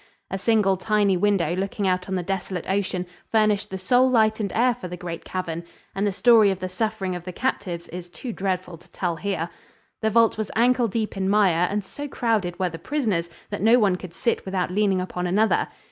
A single tiny window looking out on the desolate ocean furnished the sole light and air for the great cavern, and the story of the suffering of the captives is too dreadful to tell here. The vault was ankle deep in mire and so crowded were the prisoners that no one could sit without leaning upon another.